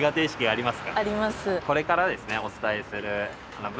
あります。